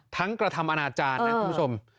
ทั้งกระทำอาณาจารย์นี่คุณผู้ชม